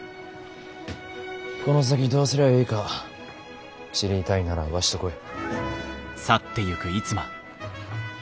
この先どうすりゃえいか知りたいならわしと来い。